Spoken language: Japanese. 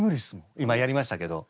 今やりましたけど。